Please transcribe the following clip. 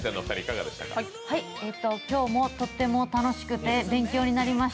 今日もとっても楽しくて勉強になりました。